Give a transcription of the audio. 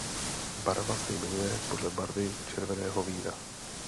Barva se jmenuje podle barvy červeného vína.